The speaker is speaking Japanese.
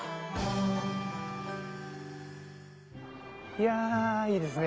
いやいいですね。